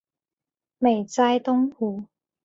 美哉东湖！